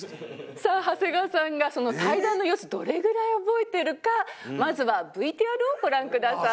さあ長谷川さんがその対談の様子どれぐらい覚えてるかまずはＶＴＲをご覧ください。